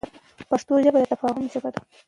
پښتو ژبه د تفاهم ژبه ده.